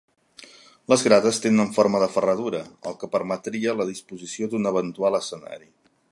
Les grades tenen forma de ferradura, el que permetria la disposició d'un eventual escenari.